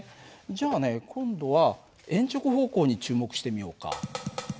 じゃあね今度は鉛直方向に注目してみようか。